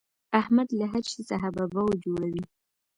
احمد له هر شي څخه ببو جوړوي.